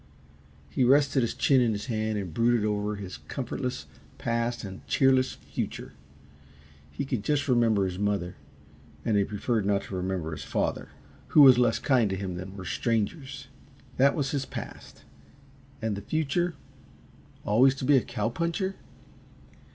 He rested his chin in his hand and brooded over his comfortless past and cheerless future. He could just remember his mother and he preferred not to remember his father, who was less kind to him than were strangers. That was his past. And the future always to be a cow puncher?